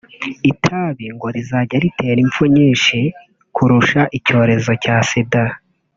Itabi ngo rizajya ritera impfu nyinshi kurusha icyorezo cya Sida